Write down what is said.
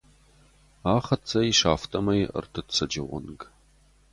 Ахӕццӕ ис афтӕмӕй ӕртыццӕджы онг.